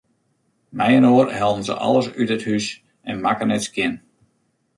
Mei-inoar hellen se alles út it hús en makken it skjin.